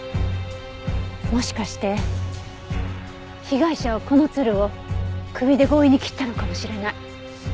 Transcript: もしかして被害者はこのつるを首で強引に切ったのかもしれない。